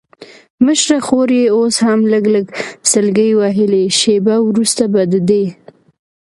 مشره خور یې اوس هم لږ لږ سلګۍ وهلې، شېبه وروسته به د دې.